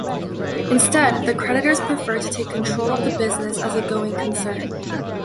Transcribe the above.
Instead the creditors prefer to take control of the business as a going concern.